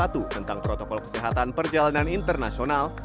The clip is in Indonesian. tentang protokol kesehatan perjalanan internasional